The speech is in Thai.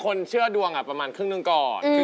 คนเชื่อดวงประมาณครึ่งหนึ่งก่อน